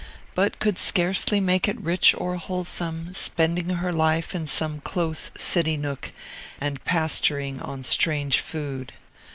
but could scarcely make it rich or wholesome, spending her life in some close city nook and pasturing on strange food.